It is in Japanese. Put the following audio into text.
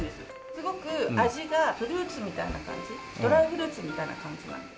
すごく味がフルーツみたいな感じドライフルーツみたいな感じなんです。